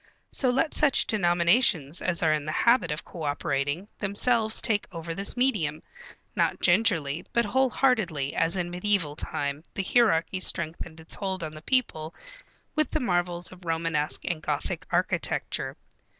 So let such denominations as are in the habit of cooperating, themselves take over this medium, not gingerly, but whole heartedly, as in mediæval time the hierarchy strengthened its hold on the people with the marvels of Romanesque and Gothic architecture.